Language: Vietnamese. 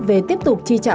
về tiếp tục chi trả